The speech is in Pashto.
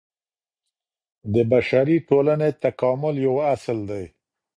د بشري ټولني تکامل يو اصل دی.